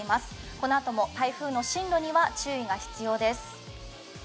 このあとも台風の進路には注意が必要です。